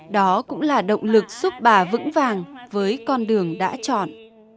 đó cũng là động lực giúp bà vững vàng với con đường đã chọn